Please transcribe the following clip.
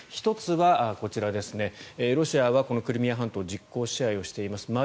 １つはこちらロシアはこのクリミア半島を実効支配をしています。